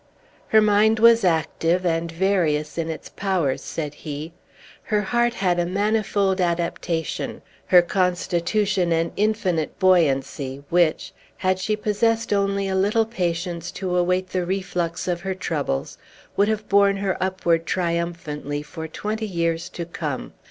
"Her mind was active, and various in its powers," said he. "Her heart had a manifold adaptation; her constitution an infinite buoyancy, which (had she possessed only a little patience to await the reflux of her troubles) would have borne her upward triumphantly for twenty years to come.